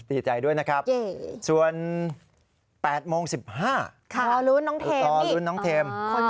สตีใจด้วยนะครับส่วน๘โมง๑๕ค่ะตัวรุ้นน้องเทมส์นี่